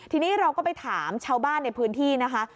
ทีนี้เราก็ไปถามชาวบ้านในพื้นที่นะคะ